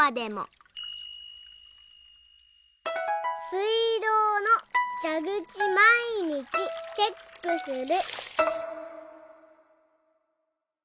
「すいどうのじゃぐちまいにちチェックする」。